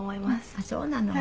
あっそうなの。